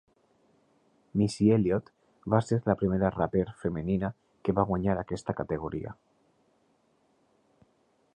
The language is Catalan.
Missy Elliott va ser la primera raper femenina que va guanyar aquesta categoria.